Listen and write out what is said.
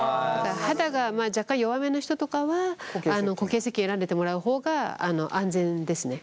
肌が若干弱めの人とかは固形せっけん選んでてもらう方が安全ですね。